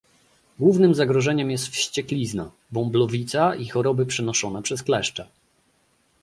Głównym zagrożeniem jest wścieklizna, bąblowica i choroby przenoszone przez kleszcze